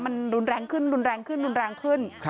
มันรุนแรงขึ้นรุนแรงขึ้น